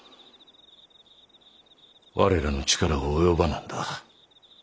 我らの力が及ばなんだ。